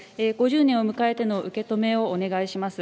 ５０年を迎えての受け止めをお願いします。